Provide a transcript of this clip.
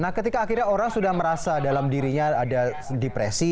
nah ketika akhirnya orang sudah merasa dalam dirinya ada depresi